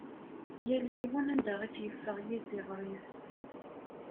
Yal yiwen anda it-yeffeɣ yiziɣer-is.